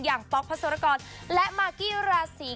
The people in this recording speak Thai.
อย่างป๊อกพระศรกรและมากี้ราศี